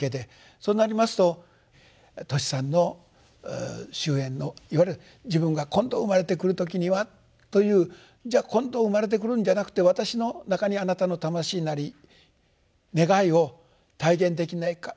そうなりますとトシさんの終えんのいわゆる自分が今度生まれてくる時にはというじゃあ今度生まれてくるんじゃなくて私の中にあなたの魂なり願いを体現できないだろうかと。